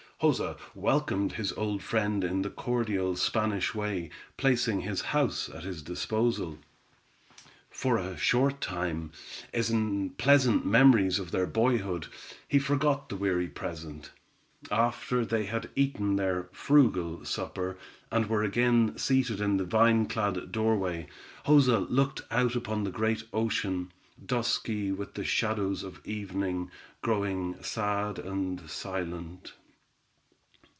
Joza welcomed his old friend in the cordial Spanish way, placing his house at his disposal. For a short time, in pleasant memories of their boyhood, he forgot the weary present. After they had eaten their frugal supper, and were again seated in the vine clad doorway, Joza looked out upon the great ocean, dusky with the shadows of evening, growing sad and silent.